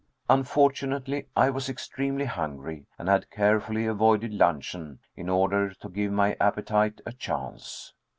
Unfortunately I was extremely hungry, and had carefully avoided luncheon in order to give my appetite a chance.